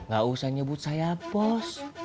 gak usah nyebut saya pos